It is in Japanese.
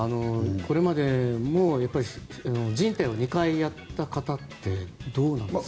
これまで、じん帯を２回やった方ってどうなんですか？